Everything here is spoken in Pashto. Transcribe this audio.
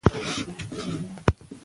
که لباس وي نو دود نه مري.